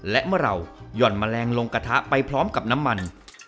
และเมื่อเราหย่อนแมลงลงกระทะไปพร้อมกับน้ำมัน